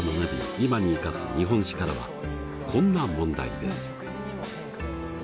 今に生かす「日本史」からはこんな問題です。